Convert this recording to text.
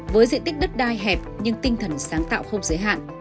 với diện tích đất đai hẹp nhưng tinh thần sáng tạo không giới hạn